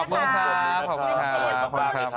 ขอบคุณคุณค่ะขอบคุณค่ะขอบคุณค่ะขอบคุณค่ะขอบคุณค่ะ